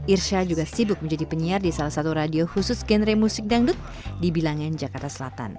irsha juga sibuk menjadi penyiar di salah satu radio khusus genre musik dangdut di bilangan jakarta selatan